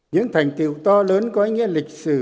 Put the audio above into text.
những thành tiệu to lớn có ý nghĩa lịch sử